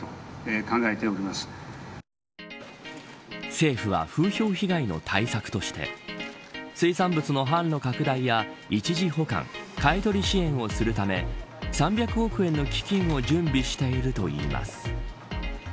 政府は風評被害の対策として水産物の販路拡大や一時保管買い取り支援をするため３００億円の基金を準備しているといいます。